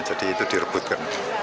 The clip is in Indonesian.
jadi itu direbutkan